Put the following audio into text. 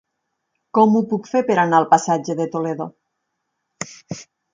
Com ho puc fer per anar al passatge de Toledo?